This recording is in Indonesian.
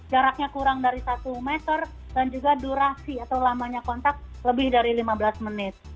jaraknya kurang dari satu meter dan juga durasi atau lamanya kontak lebih dari lima belas menit